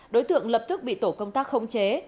đối tượng lập tức bị tổ công tác khống chế